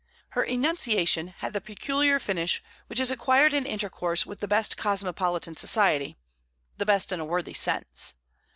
Her enunciation had the peculiar finish which is acquired in intercourse with the best cosmopolitan society, the best in a worthy sense.